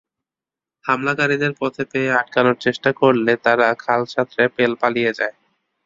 হামলাকারীদের পথে পেয়ে আটকানোর চেষ্টা করলে তারা খাল সাঁতরে পালিয়ে যায়।